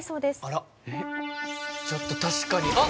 あらっちょっと確かに。